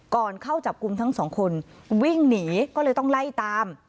ก่อนเข้าจับกลุ่มทั้งสองคนวิ่งหนีก็เลยต้องไล่ตาม